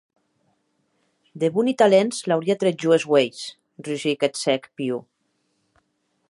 De boni talents l’auria trèt jo es uelhs, rugic eth cèc Pew.